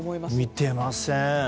見てません。